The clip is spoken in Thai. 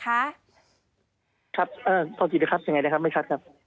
ครับโทษทีครับยังไงนะครับไม่คัดครับ